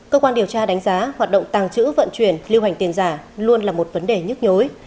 cơ quan điều tra đánh giá hoạt động tàng trữ vận chuyển lưu hành tiền giả luôn là một vấn đề nhức nhối